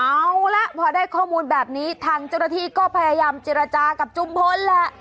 เอาละพอได้ข้อมูลแบบนี้ทางจรฐีก็พยายามจิรจากับจุมพลแหละ